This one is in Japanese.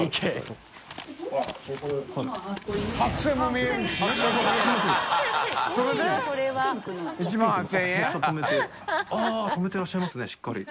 淵好織奪奸あぁ止めてらっしゃいますねしっかり。